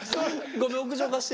「ごめん屋上貸して」